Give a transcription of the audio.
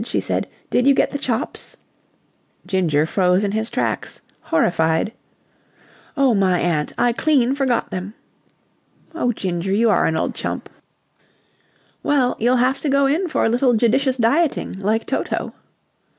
she said. "Did you get the chops?" Ginger froze in his tracks, horrified. "Oh, my aunt! I clean forgot them!" "Oh, Ginger, you are an old chump. Well, you'll have to go in for a little judicious dieting, like Toto."